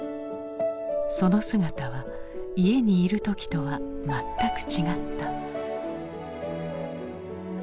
その姿は家にいる時とは全く違った。